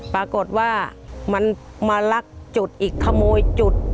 ปรากฏว่ามันมาลักจุดอีกขโมยจุด